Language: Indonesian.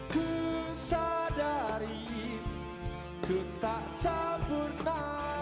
kusadari ku tak sempurna